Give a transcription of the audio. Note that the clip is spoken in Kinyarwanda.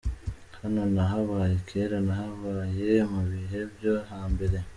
Hano nahabaye kera, nahabaye mu bihe byo hambere…”.